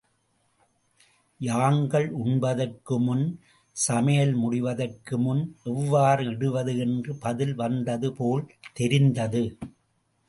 யாங்கள் உண்பதற்கு முன் சமையல் முடிவதற்கு முன் எவ்வாறு இடுவது என்ற பதில் வந்ததுபோல் தெரிந்தது.